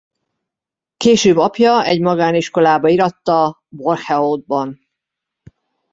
Később apja egy magániskolába íratta Borgerhout-ban.